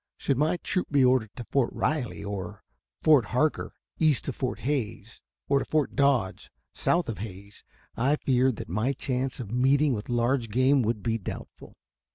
Should my troop be ordered to Fort Riley, or Fort Harker, east of Fort Hays, or to Fort Dodge, south of Hays, I feared that my chance of meeting with large game would be doubtful.